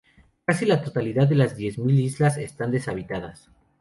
Casi la totalidad de las Diez Mil Islas están deshabitadas.